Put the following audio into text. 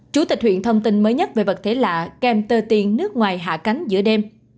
chủ tịch huyện thông tin mới nhất về vật thể lạ kèm tơ tiền nước ngoài hạ cánh giữa đêm